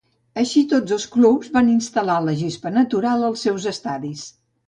Així tots els clubs van instal·lar la gespa natural als seus estadis.